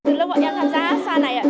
từ lúc em tham gia hát xoan này